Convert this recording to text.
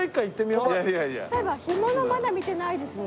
そういえば干物まだ見てないですね。